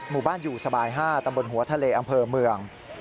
หมู่บ้านอยู่สบาย๕ตำบลหัวทะเลอำเภอเมือง